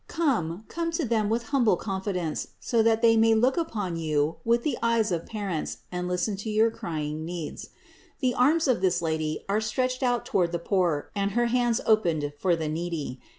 Come, come to Them with humble confi dence, so that They may look upon you with the eyes of Parents and listen to your crying needs. The arms of this Lady are stretched out toward the poor and her hands opened for the needy.